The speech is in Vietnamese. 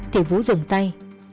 thì vũ dừng tay